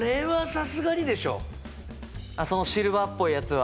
そのシルバーっぽいやつは。